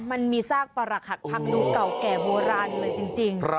มันมีซากประหลักหักพังดูเก่าแก่โบราณเลยจริง